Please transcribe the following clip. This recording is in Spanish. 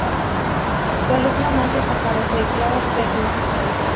Su alumno más destacado fue Claude Bernard.